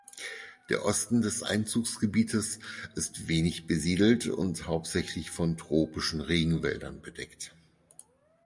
Der Osten des Einzugsgebietes ist wenig besiedelt und hauptsächlich von tropischen Regenwäldern bedeckt.